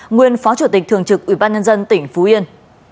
nguyên phó chủ tịch thường trực ủy ban nhân dân tỉnh phú yên